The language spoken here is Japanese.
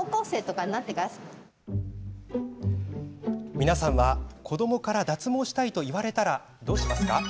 皆さんは子どもから脱毛したいと言われたらどうしますか？